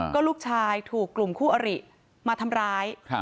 ก็ลูกชายถูกกลุ่มคู่อริมาทำร้าย